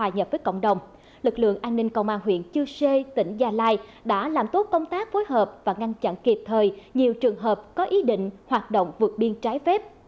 hoài nhập với cộng đồng lực lượng an ninh công an huyện chư sê tỉnh gia lai đã làm tốt công tác phối hợp và ngăn chặn kịp thời nhiều trường hợp có ý định hoạt động vượt biên trái phép